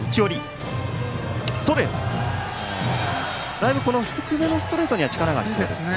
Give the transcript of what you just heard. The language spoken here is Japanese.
だいぶ低めのストレートには力がありそうですね。